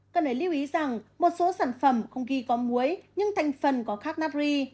cần để lưu ý rằng một số sản phẩm không ghi có muối nhưng thành phần có khắc nát ri